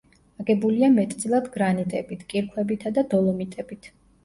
აგებულია მეტწილად გრანიტებით, კირქვებითა და დოლომიტებით.